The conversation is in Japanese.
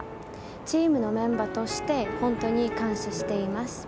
チームのメンバーとして本当に感謝しています。